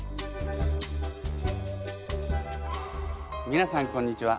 みなさんこんにちは。